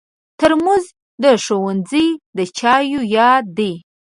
ترموز د ښوونځي د چایو یاد دی.